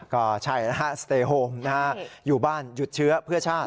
ก็ใช่นะอยู่บ้านหยุดเชื้อเพื่อชาติ